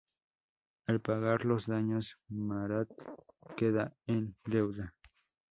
Al pagar los daños, Marat queda en deuda.